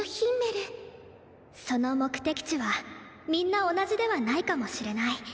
その目的地はみんな同じではないかもしれない。